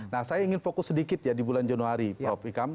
nah saya ingin fokus sedikit ya di bulan januari prof ikam